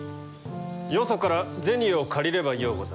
よそから銭を借りればようござる。